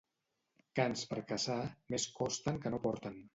Cans per caçar, més costen que no porten.